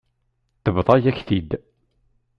Tebḍa-yak-t-id.